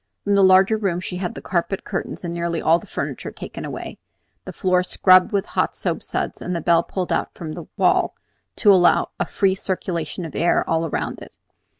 From the larger room she had the carpet, curtains, and nearly all the furniture taken away, the floor scrubbed with hot soapsuds, and the bed pulled out from the wall to allow of a free circulation of air all round it.